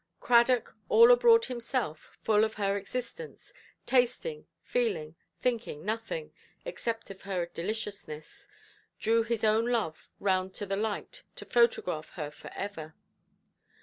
Cradock, all abroad himself, full of her existence, tasting, feeling, thinking nothing, except of her deliciousness, drew his own love round to the light to photograph her for ever.